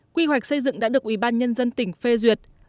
quy hoạch xây dựng đã được ủy ban nhân dân tỉnh phê duyệt